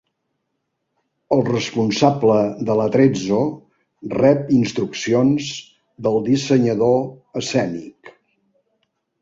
El responsable de l'atrezzo rep instruccions del dissenyador escènic.